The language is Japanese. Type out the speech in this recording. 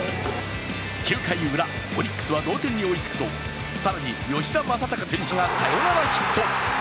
９回ウラ、オリックスは同点に追いつくと、更に吉田正尚選手がサヨナラヒット。